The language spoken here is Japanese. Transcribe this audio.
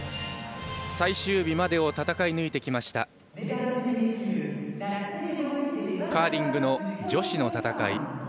最終日までを戦い抜いてきたカーリングの女子の戦い。